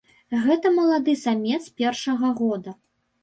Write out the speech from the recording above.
Гэта малады самец першага года.